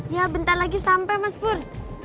ya bentar lagi sampai mas pur